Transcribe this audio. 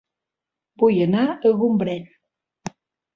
Vull anar a Gombrèn